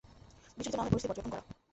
বিচলিত না হয়ে পরিস্থিতি পর্যবেক্ষণ করা।